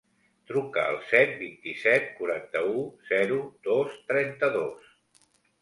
Truca al set, vint-i-set, quaranta-u, zero, dos, trenta-dos.